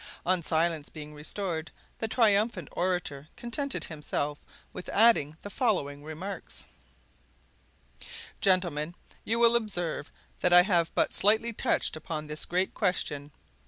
On silence being restored, the triumphant orator contented himself with adding the following remarks: "Gentlemen, you will observe that I have but slightly touched upon this great question.